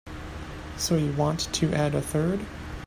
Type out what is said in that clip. So you want to add a third?